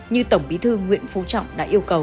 như tổng bí thư nguyễn phú trọng đã yêu cầu